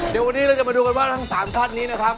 เดี๋ยววันนี้เราจะมาดูกันว่าทั้ง๓ท่านนี้นะครับ